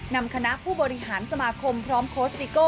นำคณะผู้บริหารสมาคมพร้อมโค้ชซิโก้